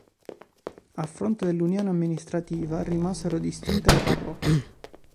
A fronte dell'unione amministrativa, rimasero distinte le parrocchie.